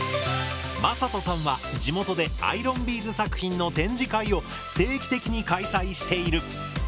まさとさんは地元でアイロンビーズ作品の展示会を定期的に開催している。